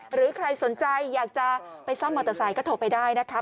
หรือใครสนใจอยากจะไปซ่อมมอเตอร์ไซค์ก็โทรไปได้นะคะ